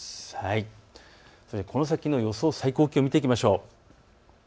この先の最高気温見ていきましょう。